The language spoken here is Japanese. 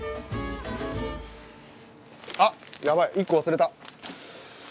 あっやばい１個忘れた。